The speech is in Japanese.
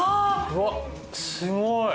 うわっすごい！